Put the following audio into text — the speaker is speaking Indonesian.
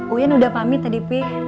uyan udah pamit tadi pih